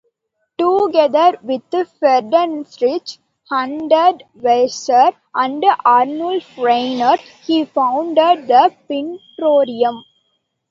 Together with Friedensreich Hundertwasser and Arnulf Rainer, he founded the Pintorarium.